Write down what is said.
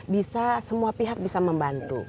bisa semua pihak bisa membantu